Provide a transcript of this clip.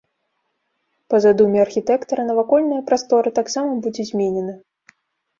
Па задуме архітэктара, навакольная прастора таксама будзе зменена.